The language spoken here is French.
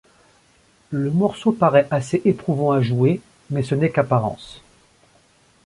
Le morceau paraît assez éprouvant à jouer, mais ce n'est qu'apparences.